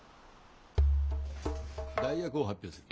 代役を発表する。